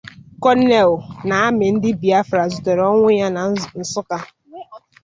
Colonel” na armị ndị Biafra zutere ọnwụ ya na Nsụka